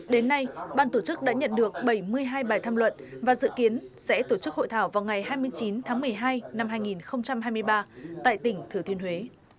đến nay ban tổ chức đã nhận được bảy mươi hai bài tham luận và dự kiến sẽ tổ chức hội thảo vào ngày hai mươi chín tháng một mươi hai năm hai nghìn hai mươi ba tại tỉnh thừa thiên huế